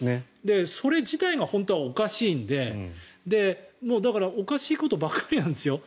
それ自体が本当はおかしいのでだから、おかしいことばかりなんですよ。